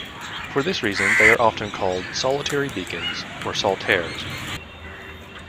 For this reason, they are often called "solitary beacons" or "solitaires".